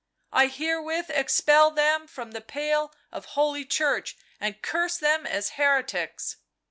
I herewith expel them from the pale of Holy Church, and curse them as heretics